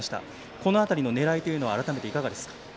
この辺りの狙いは改めていかがですか。